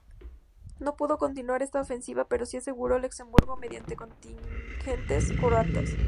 No pudo continuar esta ofensiva, pero sí aseguró Luxemburgo mediante contingentes croatas.